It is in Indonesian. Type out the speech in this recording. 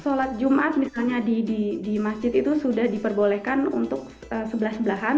sholat jumat misalnya di masjid itu sudah diperbolehkan untuk sebelah sebelahan